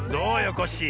コッシー。